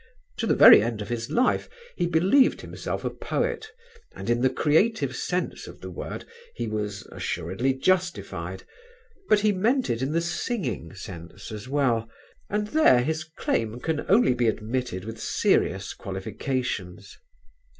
To the very end of his life he believed himself a poet and in the creative sense of the word he was assuredly justified, but he meant it in the singing sense as well, and there his claim can only be admitted with serious qualifications.